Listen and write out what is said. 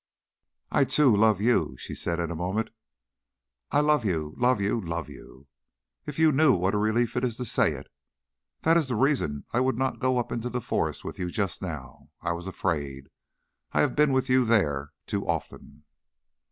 "I, too, love you," she said in a moment. "I love you, love you, love you. If you knew what a relief it is to say it. That is the reason I would not go up into the forest with you just now. I was afraid. I have been with you there too often!"